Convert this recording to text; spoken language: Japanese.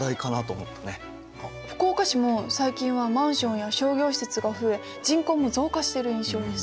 福岡市も最近はマンションや商業施設が増え人口も増加してる印象です。